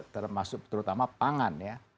termasuk terutama pangan ya